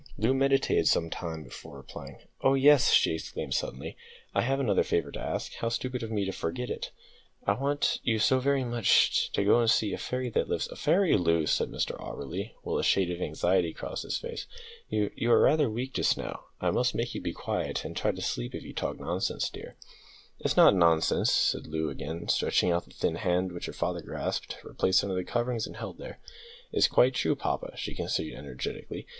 Loo meditated some time before replying. "Oh, yes," she exclaimed suddenly, "I have another favour to ask. How stupid of me to forget it. I want you very much to go and see a fairy that lives " "A fairy, Loo!" said Mr Auberly, while a shade of anxiety crossed his face. "You you are rather weak just now; I must make you be quiet, and try to sleep, if you talk nonsense, dear." "It's not nonsense," said Loo, again stretching out the thin hand, which her father grasped, replaced under the coverings, and held there; "it's quite true, papa," she continued energetically!